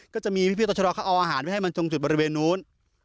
ก็จะมีพี่ต่อชะดอเขาเอาอาหารไว้ให้มันตรงจุดบริเวณนู้น